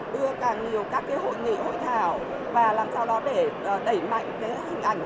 đưa càng nhiều các hội nghị hội thảo và làm sao đó để đẩy mạnh hình ảnh của thành phố đà nẵng